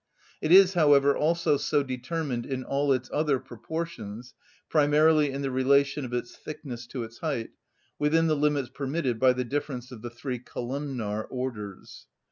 It is, however, also so determined in all its other proportions, primarily in the relation of its thickness to its height, within the limits permitted by the difference of the three columnar orders.